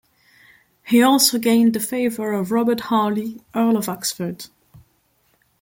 He also gained the favour of Robert Harley, Earl of Oxford.